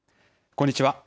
こんにちは。